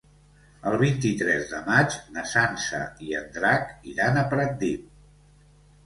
El vint-i-tres de maig na Sança i en Drac iran a Pratdip.